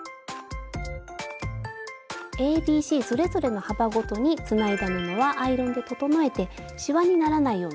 ＡＢＣそれぞれの幅ごとにつないだ布はアイロンで整えてしわにならないようにね